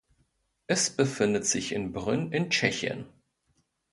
Es befindet sich in Brünn in Tschechien.